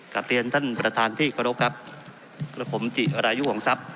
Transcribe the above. กับเรียนท่านประธานที่กรกครับแล้วผมรายุของทรัพย์